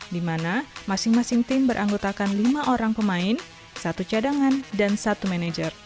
di mana masing masing tim beranggotakan lima orang pemain satu cadangan dan satu manajer